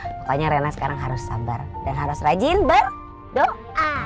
pokoknya rena sekarang harus sabar dan harus rajin berdoa